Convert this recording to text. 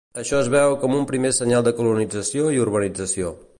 Això es veu com un primer senyal de colonització i urbanització.